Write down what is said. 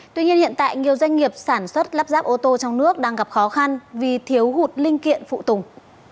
tuy nhiên hiện tại nhiều doanh nghiệp sản xuất lắp ráp ô tô trong nước đang gặp khó khăn vì thiếu hụt linh kiện phụ tùng